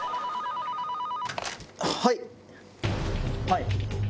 はい。